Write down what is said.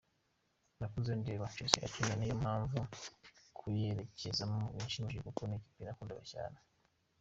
Nakuze ndeba Chelsea ikina niyo mpamvu kuyerekezamo bishimishije kuko ni ikipe nakundaga cyane.